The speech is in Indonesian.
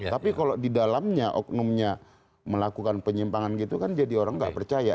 tapi kalau di dalamnya oknumnya melakukan penyimpangan gitu kan jadi orang nggak percaya